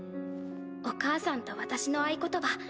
お母さんと私の合言葉。